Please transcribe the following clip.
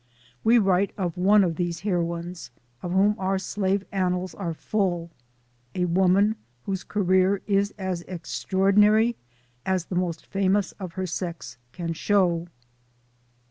We write of one of these heroines, of whom our slave annals are full, a woman whose career is as extraordinary as the most famous of her sex can show.